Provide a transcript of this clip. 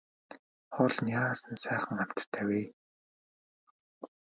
Хоол нь яасан сайхан амттай вэ.